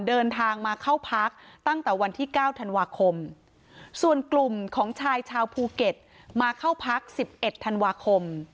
เดินทางมาเข้าพักตั้งแต่วันที่๙ธันวาคมส่วนกลุ่มของชายชาวภูเก็ตมาเข้าพัก๑๑ธันวาคม